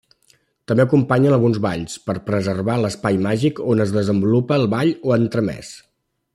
També acompanyen alguns balls, per preservar l'espai màgic on es desenvolupa el ball o entremès.